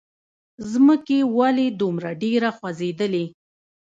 ځمکې! ولې دومره ډېره خوځېدلې؟